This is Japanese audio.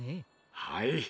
はい。